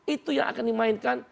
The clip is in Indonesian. itu yang akan dimainkan